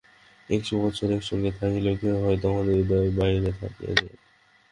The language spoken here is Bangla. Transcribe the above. একশত বৎসর একসঙ্গে থাকিলেও কেহ হয়তো আমার হৃদয়ের বাহিরে থাকিয়া যায়।